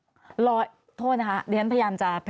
แต่ได้ยินจากคนอื่นแต่ได้ยินจากคนอื่น